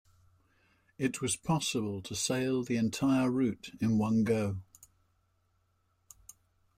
It was possible to sail the entire route in one go.